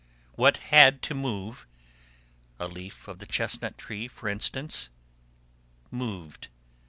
What had to move a leaf of the chestnut tree, for instance moved.